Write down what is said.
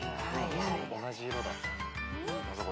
はい。